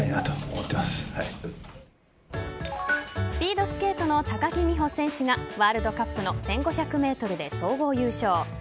スピードスケートの高木美帆選手がワールドカップの１５００ｍで総合優勝。